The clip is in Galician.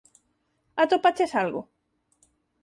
atopaches algo?